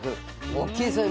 大きいですよね。